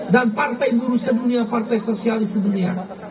dan partai buruh sedunia partai sosialis sedunia